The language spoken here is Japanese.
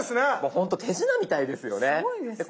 ほんと手品みたいですよね。